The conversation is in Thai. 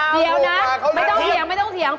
เดี๋ยวนะไม่ต้องเหยียง